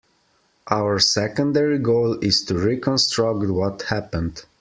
Our secondary goal is to reconstruct what happened.